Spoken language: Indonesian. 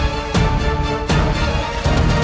raja ibu nda